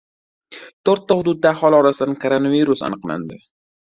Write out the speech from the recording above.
To‘rtta hududda aholi orasidan koronavirus aniqlandi